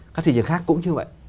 các thị trường khác cũng như vậy